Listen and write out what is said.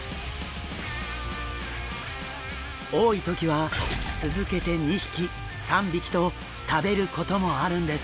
多い時は続けて２匹３匹と食べることもあるんです。